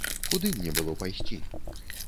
Куды мне было пайсці?